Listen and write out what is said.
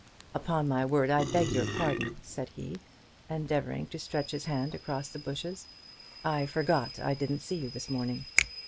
"Upon my word, I beg your pardon," said he, endeavouring to stretch his hand across the bushes. "I forgot I didn't see you this morning."